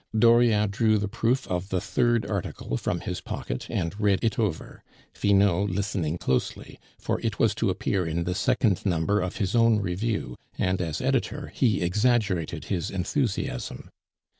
Dauriat drew the proof of the third article from his pocket and read it over, Finot listening closely; for it was to appear in the second number of his own review, and as editor he exaggerated his enthusiasm.